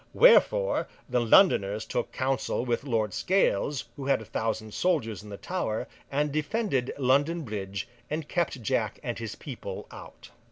Wherefore, the Londoners took counsel with Lord Scales, who had a thousand soldiers in the Tower; and defended London Bridge, and kept Jack and his people out.